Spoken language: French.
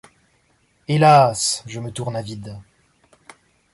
Hélas ! je me tourne avide